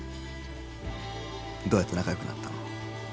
・どうやって仲よくなったの？